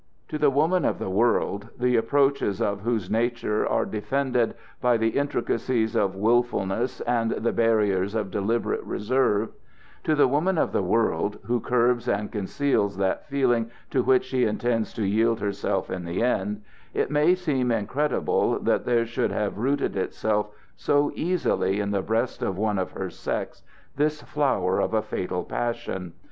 To the woman of the world, the approaches of whose nature are defended by the intricacies of willfulness and the barriers of deliberate reserve; to the woman of the world, who curbs and conceals that feeling to which she intends to yield herself in the end, it may seem incredible that there should have rooted itself so easily in the breast of one of her sex this flower of a fatal passion.